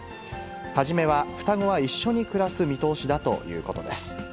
初めは双子は一緒に暮らす見通しだということです。